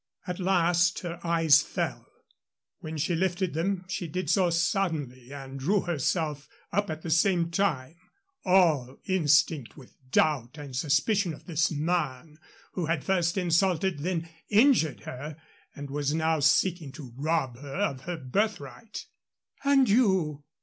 At last her eyes fell. When she lifted them she did so suddenly and drew herself up at the same time, all instinct with doubt and suspicion of this man, who had first insulted, then injured her, and was now seeking to rob her of her birthright. "And you?"